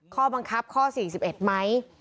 ข้อบังคับข้อ๔๑ไหม